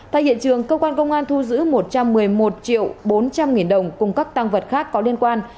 tại hiện trường cơ quan công an thu giữ một trăm một mươi một triệu bốn trăm linh nghìn đồng cùng các tăng vật khác có liên quan